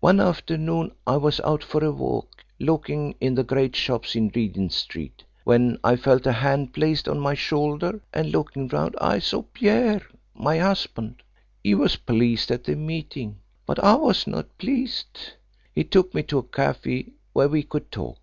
"One afternoon I was out for a walk looking in the great shops in Regent Street, when I felt a hand placed on my shoulder, and looking round I saw Pierre, my husband. He was pleased at the meeting, but I was not pleased. He took me to a café where we could talk.